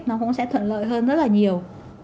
nó cũng sẽ thuận lợi hơn rất là nhiều